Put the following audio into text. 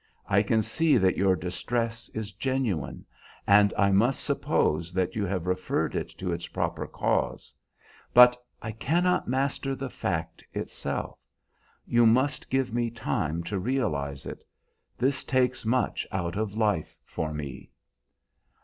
I can see that your distress is genuine, and I must suppose that you have referred it to its proper cause; but I cannot master the fact itself. You must give me time to realize it. This takes much out of life for me."